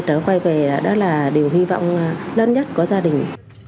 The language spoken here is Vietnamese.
trở quay về đó là điều hy vọng lớn nhất của gia đình